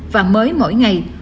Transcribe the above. và mới mỗi ngày